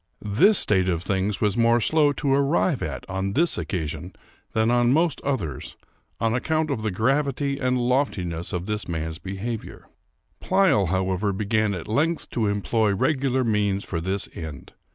This state of things was more slow to arrive at on this occasion than on most others, on account of the gravity and loftiness of this man's behavior. Pleyel, however, began at length to employ regular means for this end.